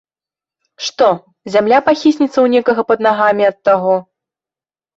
Што, зямля пахіснецца ў некага пад нагамі ад таго?!